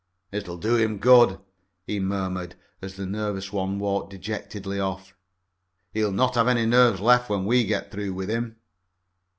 "It'll do him good," he murmured, as the nervous one walked dejectedly off. "He'll not have any nerves left when we get through with him."